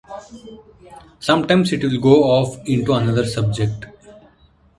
Sometimes it’ll go off into another subject.